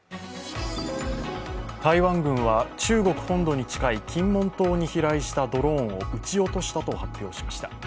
台湾軍は中国本土に近い金門島に飛来したドローンを撃ち落としたと発表しました。